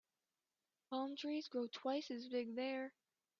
Palm trees grow twice as big there.